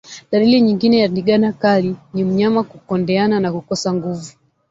Dalili nyingine ya ndigana kali ni mnyama kukondeana na kukosa nguvu